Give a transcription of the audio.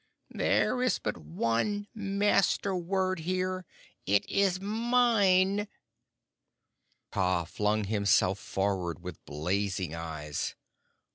"There is but one Master word here. It is mine!" Kaa flung himself forward with blazing eyes.